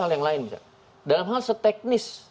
hal yang lain dalam hal seteknis